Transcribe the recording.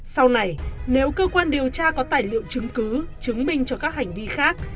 sau này nếu cơ quan điều tra có tài liệu chứng cứ chứng minh cho các hành vi khác